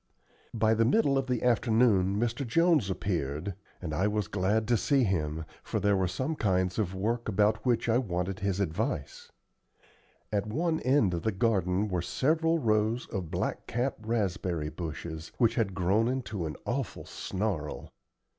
By the middle of the afternoon Mr. Jones appeared, and I was glad to see him, for there were some kinds of work about which I wanted his advice. At one end of the garden were several rows of blackcap raspberry bushes, which had grown into an awful snarl.